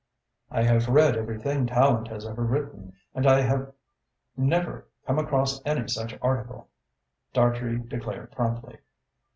"I have read everything Tallente has ever written, and I have never come across any such article," Dartrey declared promptly.